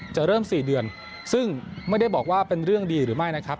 เริ่ม๔เดือนซึ่งไม่ได้บอกว่าเป็นเรื่องดีหรือไม่นะครับ